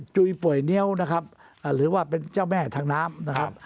จุยป่วยเนี๊ยวหรือว่าเป็นเจ้าแม่ทางน้ำ